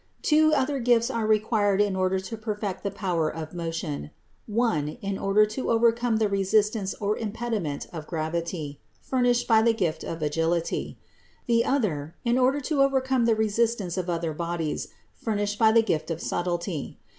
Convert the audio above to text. Two other gifts are required in order to perfect the power of motion: one, in order to overcome the resistance or impediment of gravity, furnished by the gift of agility; the other, in order to overcome the resistance of other bodies, furnished by the gift of subtlety.